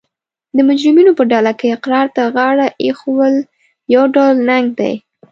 د مجرمینو په ډله کې اقرار ته غاړه ایښول یو ډول ننګ دی